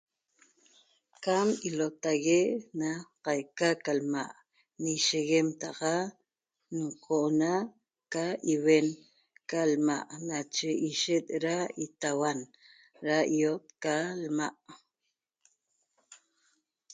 Cam ilotague' na qaica ca lma' ñisheguem taxa nqo'ona ca iuen ca lma' nache ishet ra itauan ra i'ot ca lma'